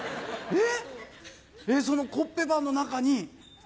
えっ！